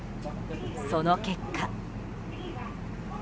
その結果。